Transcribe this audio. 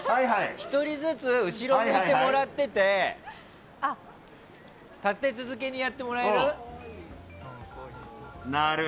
１人ずつ後ろ向いてもらってて立て続けにやってもらえる？